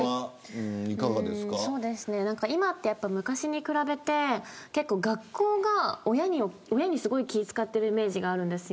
今は昔に比べて学校が親にすごく気を使ってるイメージがあるんです。